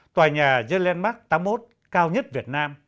tòa nhà jelen park tám mươi một cao nhất việt nam